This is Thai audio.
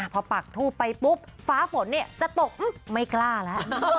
พอปักทูปไปปุ๊บฟ้าฝนจะตกมึยไม่กล้าละ